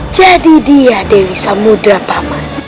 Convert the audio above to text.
jadi dia dewi samudera paman